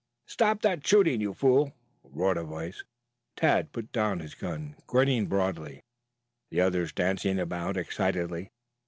"Stop that shooting, you fool!" roared a voice. Tad put down his gun, grinning broadly, the others dancing about excitedly.